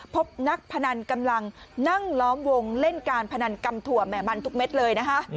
พบนักพนันกำลังนั่งล้อมวงเล่นการพนันกำถั่วแหม่มันทุกเม็ดเลยนะคะ